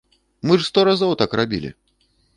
Мы ж сто разоў так рабілі.